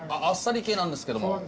あっさり系なんですけども。